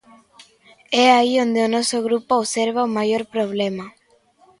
É aí onde o noso grupo observa o maior problema.